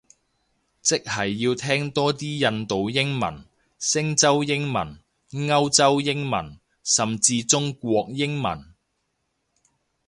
即係要聽多啲印度英文，星洲英文，歐洲英文，甚至中國英文